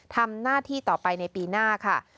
ทำหน้าที่ต่อไปในปีหน้าค่ะ